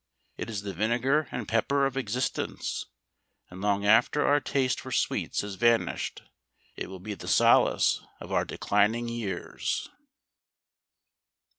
It is the vinegar and pepper of existence, and long after our taste for sweets has vanished it will be the solace of our declining years.